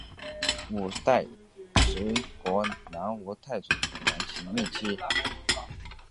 五代十国南吴太祖杨行密妻。